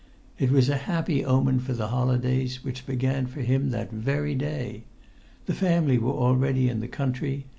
It was a happy omen for the holidays, which began for him that very day. The family were already in the country.